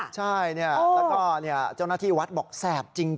ใช่แล้วก็เจ้าหน้าที่วัดบอกแสบจริง